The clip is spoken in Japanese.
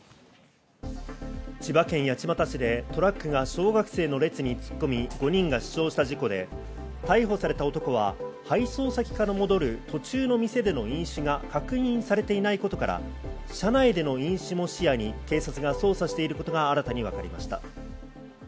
千葉県八街市でトラックが小学生の列に突っ込み、５人が死傷した事故で、逮捕された男は配送先から戻る途中の店での飲酒が確認されていないことから、車内での飲酒も視野に警察が捜査していることが新たに分かりました。